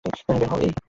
বের হও--- এই!